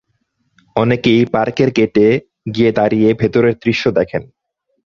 অনেকেই পার্কের গেটে গিয়ে দাঁড়িয়ে ভেতরের দৃশ্য দেখেন।